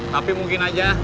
tapi mungkin aja